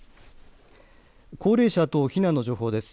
高齢者等避難の情報です。